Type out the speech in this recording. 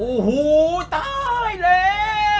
โอ้โหตายแล้ว